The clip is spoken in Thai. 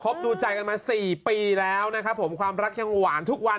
ดูใจกันมา๔ปีแล้วนะครับผมความรักยังหวานทุกวัน